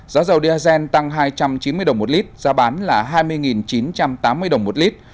giá dầu diazen tăng hai trăm chín mươi đồng một lít giá bán là hai mươi chín trăm tám mươi đồng một lít